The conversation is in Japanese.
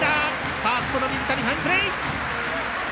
ファーストの水谷ファインプレー。